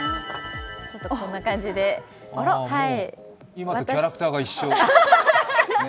今とキャラクターが一緒。